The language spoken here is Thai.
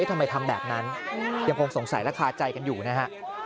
ทำไมทำแบบนั้นยังคงสงสัยและคาใจกันอยู่นะฮะ